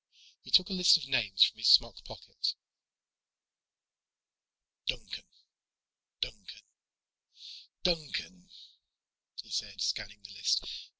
He took a list of names from his smock pocket. "Duncan, Duncan, Duncan," he said, scanning the list.